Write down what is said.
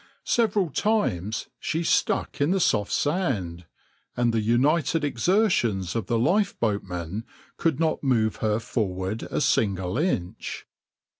Several times she stuck in the soft sand, and the united exertions of the lifeboatmen could not move her forward a single inch.